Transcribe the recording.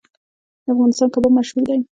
د افغانستان کباب مشهور دی